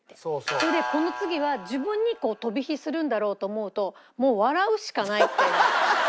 それでこの次は自分に飛び火するんだろうと思うともう笑うしかないって。